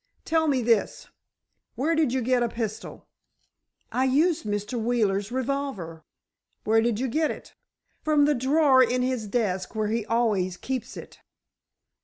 Tell me this: where did you get a pistol?" "I used Mr. Wheeler's revolver." "Where did you get it?" "From the drawer in his desk, where he always keeps it."